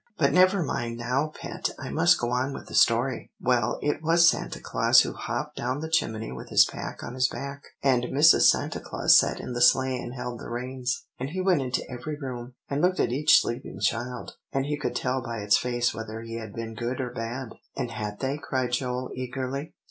"But never mind now, Pet, I must go on with the story." "Well, it was Santa Claus who hopped down the chimney with his pack on his back, and Mrs. Santa Claus sat in the sleigh and held the reins. And he went into every room, and looked at each sleeping child; and he could tell by its face whether he had been good or bad." "And had they?" cried Joel eagerly.